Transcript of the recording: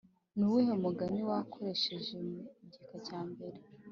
Ni uwuhe mugani wakoreshejwe mu gika cya mbere